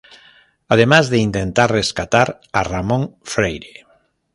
Además de intentar rescatar a Ramón Freire.